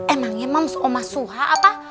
emangnya mams omah suha apa